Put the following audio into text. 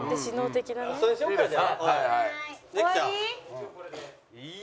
一応これで。